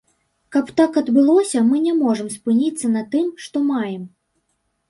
Каб так адбылося, мы не можам спыніцца на тым, што маем.